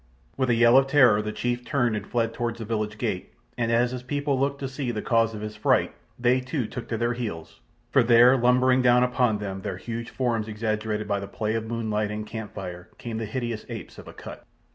With a yell of terror the chief turned and fled toward the village gate, and as his people looked to see the cause of his fright, they too took to their heels—for there, lumbering down upon them, their huge forms exaggerated by the play of moonlight and camp fire, came the hideous apes of Akut.